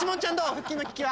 腹筋の効きは。